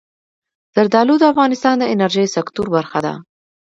زردالو د افغانستان د انرژۍ سکتور برخه ده.